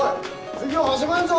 授業始まんぞ！